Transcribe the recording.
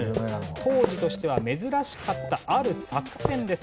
当時としては珍しかったある作戦です。